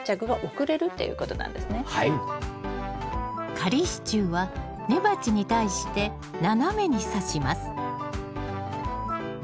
仮支柱は根鉢に対して斜めにさします